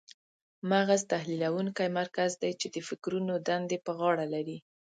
مغز تحلیلونکی مرکز دی چې د فکرونو دندې په غاړه لري.